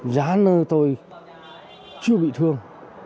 giá nơi tôi chưa bị thương